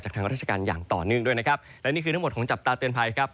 ทางราชการอย่างต่อเนื่องด้วยนะครับและนี่คือทั้งหมดของจับตาเตือนภัยครับ